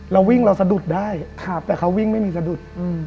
เราวิ่งเราสะดุดได้แต่เขาวิ่งไม่มีสะดุด